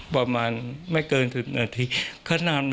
เราได้มีการขบุรุษทำร้ายกันทหลังนานไหม